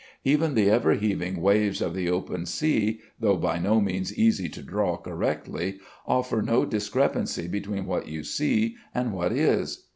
Even the ever heaving waves of the open sea, though by no means easy to draw correctly, offer no discrepancy between what you see and what is.